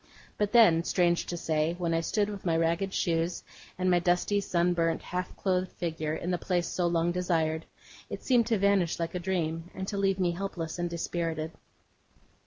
But then, strange to say, when I stood with my ragged shoes, and my dusty, sunburnt, half clothed figure, in the place so long desired, it seemed to vanish like a dream, and to leave me helpless and dispirited.